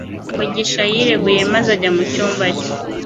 Mugisha yireguye maze ajya mu cyumba cye